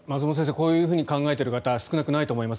こういうふうに考えている方少なくないと思います。